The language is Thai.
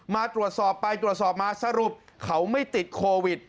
มาตรวจสอบไปตรวจสอบมาสรุปเขาไม่ติดโควิด